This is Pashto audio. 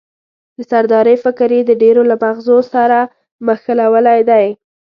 د سردارۍ فکر یې د ډېرو له مغزو سره مښلولی دی.